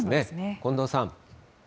近藤さん。